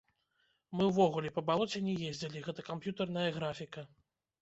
Мы ўвогуле па балоце не ездзілі, гэта камп'ютарная графіка.